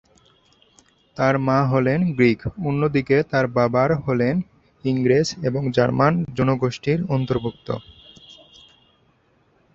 তার মা হলেন গ্রিক, অন্যদিকে তার বাবার হলেন ইংরেজ এবং জার্মান জনগোষ্ঠীর অন্তর্ভুক্ত।